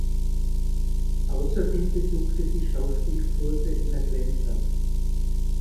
Außerdem besuchte sie Schauspielkurse in Atlanta.